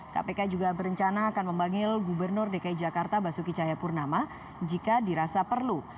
kpk juga berencana akan memanggil gubernur dki jakarta basuki cahayapurnama jika dirasa perlu